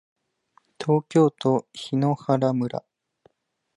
東京都檜原村